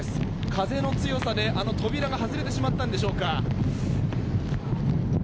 風の強さで扉が外れてしまったのでしょうか。